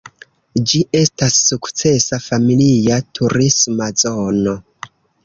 Ĝi estas sukcesa familia turisma zono.